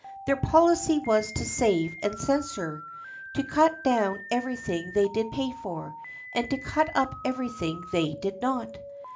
Their policy was to save and censure, to cut down everything they did pay for, and to cut up everything they did not.